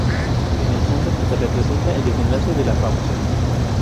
En el fondo, se representa el desenlace de la fábula.